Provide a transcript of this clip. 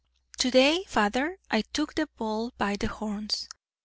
"To day, father, I took the bull by the horns.